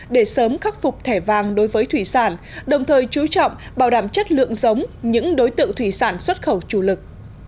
để sớm khắc phục thẻ vàng đối với thủy sản đồng thời chú trọng bảo đảm chất lượng giống những đối tượng thủy sản xuất khẩu chủ lực